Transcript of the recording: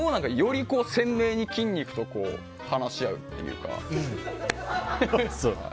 そこをより鮮明に筋肉と話し合うというか。